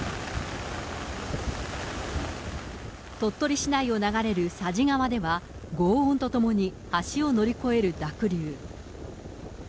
鳥取市内を流れる佐治川ではごう音と共に、橋を乗り越える濁流。